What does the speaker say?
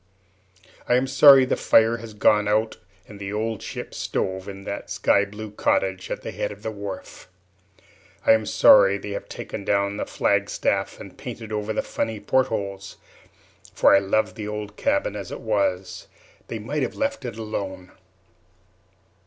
I am sorry the fire has gone out in the old ship's stove in that sky blue cottage at the head of the wharf; I am sorry they have taken down the flag staff and painted over the funny port holes; for I loved the old cabin as it was. They might have let it alone!